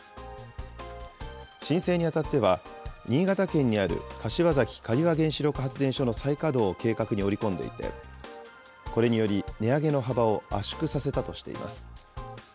申請にあたっては、新潟県にある柏崎刈羽原子力発電所の再稼働を計画に織り込んでいて、これにより、値上げの幅を圧縮させたとしています。